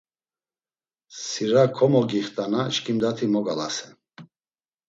Sira komogixtana, şkimdati mogalasen.